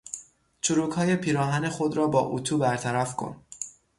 چروکهای پیراهن خود را با اطو برطرف کن.